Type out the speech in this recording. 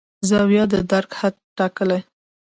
زاویه د درک حد ټاکي.